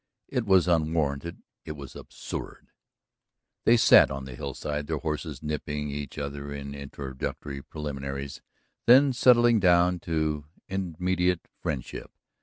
It was unwarranted, it was absurd! They sat on the hillside, their horses nipping each other in introductory preliminaries, then settling down to immediate friendship.